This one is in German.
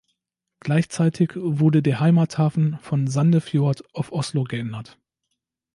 Gleichzeitig wurde der Heimathafen von Sandefjord auf Oslo geändert.